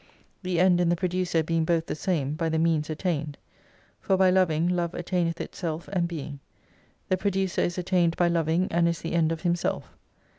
The End and the Pro ducer being both the same, by the Means attained. For by loving Love attaineth itself and being. The Producer is attained by loving, and is the End of Himself.